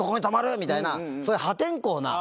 みたいな、そういう破天荒な。